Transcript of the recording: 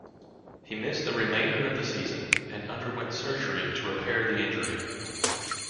He missed the remainder of the season and underwent surgery to repair the injury.